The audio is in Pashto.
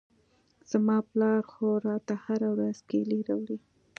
زما پلار خو راته هره ورځ کېلې راوړي.